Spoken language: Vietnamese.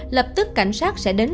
lập tức cảnh sát sẽ đến